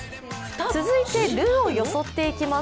続いてルーをよそっていきます。